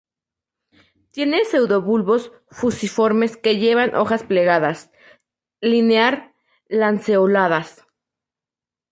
Tiene pseudobulbos fusiformes que llevan hojas plegadas, linear-lanceoladas.